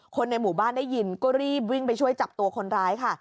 คนในหมู่บ้านได้ยินก็รีบวิ่งไปช่วยจับตัวคนร้ายค่ะ